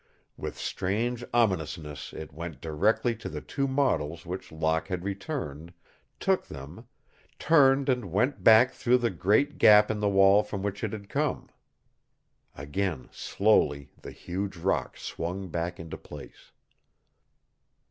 With strange ominousness it went directly to the two models which Locke had returned, took them, turned and went back through the great gap in the wall from which it had come. Again slowly the huge rock swung back into place.